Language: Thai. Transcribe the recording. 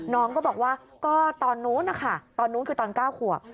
น้องก็บอกว่าก็ตอนนู้นนะคะตอนนู้นคือตอน๙ขวบ